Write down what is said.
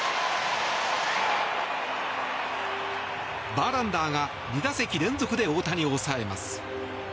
バーランダーが２打席連続で大谷を抑えます。